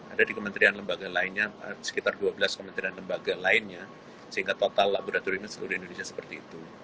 ada di kementerian lembaga lainnya sekitar dua belas kementerian lembaga lainnya sehingga total laboratorium seluruh indonesia seperti itu